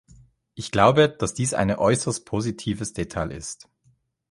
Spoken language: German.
Ich glaube, dass dies eine äußerst positives Detail ist.